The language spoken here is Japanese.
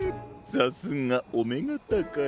さすがおめがたかい。